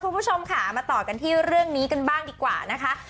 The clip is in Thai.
คุณผู้ชมค่ะมาต่อกันที่เรื่องนี้กันบ้างดีกว่านะคะ